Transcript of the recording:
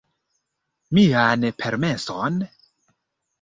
Mian permeson?